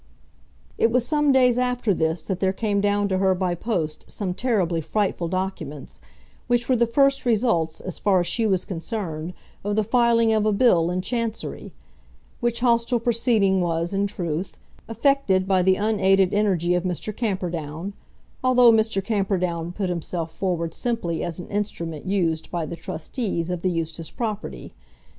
It was some days after this that there came down to her by post some terribly frightful documents, which were the first results, as far as she was concerned, of the filing of a bill in Chancery; which hostile proceeding was, in truth, effected by the unaided energy of Mr. Camperdown, although Mr. Camperdown put himself forward simply as an instrument used by the trustees of the Eustace property.